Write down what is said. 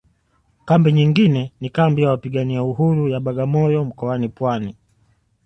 Kambi nyingine ni kambi ya wapigania uhuru ya Bagamoyo mkoani Pwani